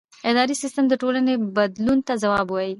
اداري سیستم د ټولنې بدلون ته ځواب وايي.